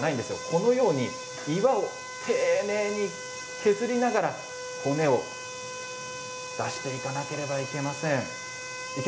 このように岩を丁寧に削りながら骨を出していかなければいけません。